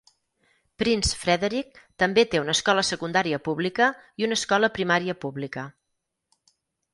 Prince Frederick també té una escola secundària pública i una escola primària pública.